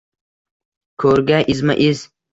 Ko‘rga izma-iz.